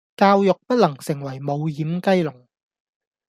教育不能成為無掩雞籠